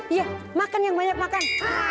iya makan yang banyak makan